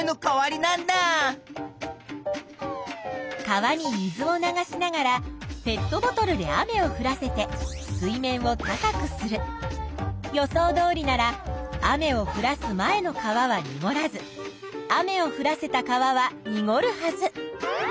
川に水を流しながらペットボトルで雨をふらせて水面を高くする。予想どおりなら雨をふらす前の川はにごらず雨をふらせた川はにごるはず。